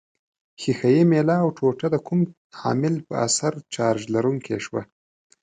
ښيښه یي میله او ټوټه د کوم عامل په اثر چارج لرونکې شوه؟